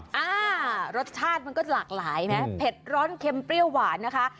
อ่ารสชาติมันก็หลากหลายนะเผ็ดร้อนเค็มเปรี้ยวหวานนะคะ